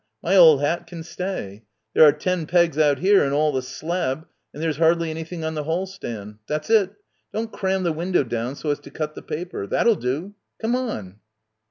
My old hat can stay. There are ten pegs out here and all the slab, and there's hardly any thing on the hall stand. That's it. Don't cram the window down so as to cut the paper. That'll do. Come on."